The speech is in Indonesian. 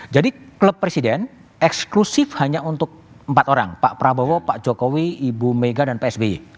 jadi klub presiden eksklusif hanya untuk empat orang pak prabowo pak jokowi ibu mega dan psbi